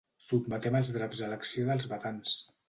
Sotmetem els draps a l'acció dels batans.